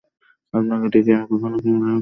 আপনাকে ডেকে আমি কখনো বিফল মনোরথ হইনি।